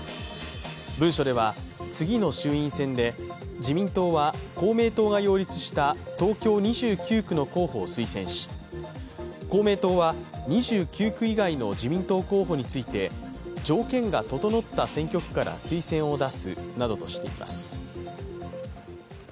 文書では、次の衆院選で自民党は公明党が擁立した東京２９区の候補を推薦し公明党は２９区以外の自民党候補について条件が整った選挙区から推薦を出すなどとしています。